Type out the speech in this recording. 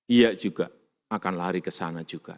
ia juga akan lari ke sana juga